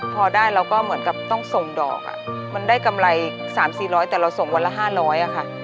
พอได้เราก็เหมือนกับต้องส่งดอกมันได้กำไร๓๔๐๐แต่เราส่งวันละ๕๐๐ค่ะ